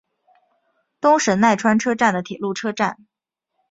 东神奈川车站的铁路车站。